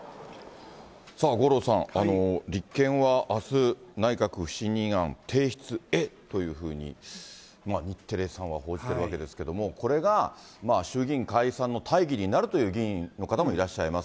さあ、五郎さん、立憲はあす、内閣不信任案提出へというふうに、日テレさんは報じてるわけですけれども、これが衆議院解散の大義になるという議員の方もいらっしゃいます。